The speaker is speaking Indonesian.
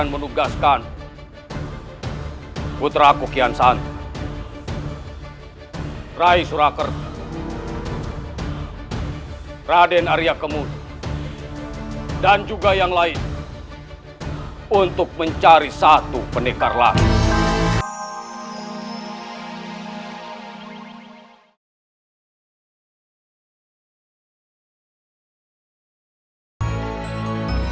putra kukiansan rai surakert raden arya kemud dan juga yang lain untuk mencari satu penekar lain